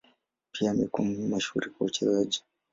Pia amekuwa mashuhuri kwa uchezaji.